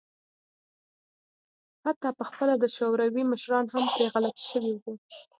حتی په خپله د شوروي مشران هم پرې غلط شوي وو.